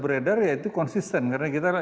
beredar ya itu konsisten karena kita